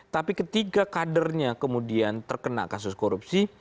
tapi ketika kadernya kemudian terkena kasus korupsi